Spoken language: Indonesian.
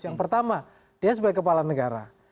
yang pertama dia sebagai kepala negara